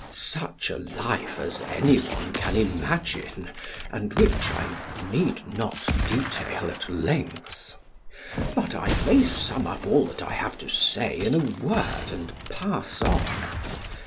such a life as any one can imagine and which I need not detail at length. But I may sum up all that I have to say in a word, and pass on.